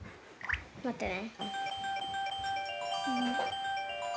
待ってね。